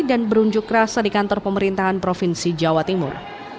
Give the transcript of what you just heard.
dan berunjuk keras di kantor pemerintahan provinsi jawa timur